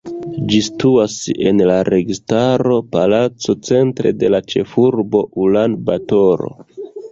Ĝi situas en la Registaro Palaco centre de la ĉefurbo Ulan-Batoro.